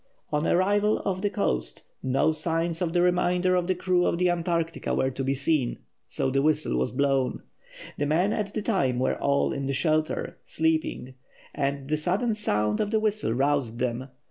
On arrival off the coast no signs of the remainder of the crew of the Antarctica were to be seen, so the whistle was blown. The men at the time were all in the shelter, sleeping, and the sudden sound of the whistle roused them.